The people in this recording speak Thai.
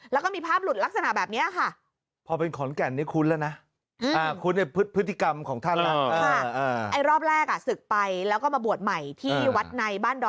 แล้วก็มีภาพหลุดลักษณะแบบนี้ค่ะ